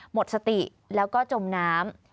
หมดสติแล้วก็จมน้ำ